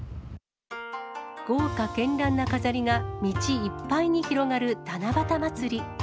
豪華けんらんな飾りが道いっぱいに広がる七夕祭り。